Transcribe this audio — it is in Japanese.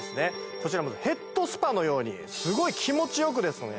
こちらヘッドスパのようにすごい気持ちよくですね